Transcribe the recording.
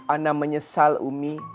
ana menyesal umi